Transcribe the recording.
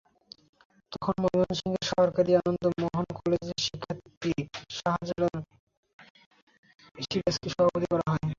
তখন ময়মনসিংহের সরকারি আনন্দ মোহন কলেজের শিক্ষার্থী শাহাজাহান সিরাজকে সভাপতি করা হয়।